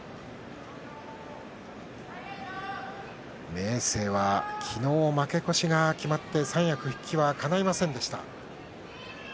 明生は昨日負け越しが決まって三役復帰は、かないませんでした。